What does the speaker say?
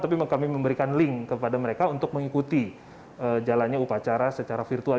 tapi memang kami memberikan link kepada mereka untuk mengikuti jalannya upacara secara virtual